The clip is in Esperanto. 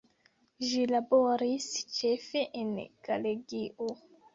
Ĝi laboris ĉefe en Galegio.